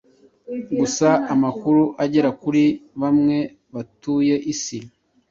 gusa amakuru agera kuri bamwe batuye Isi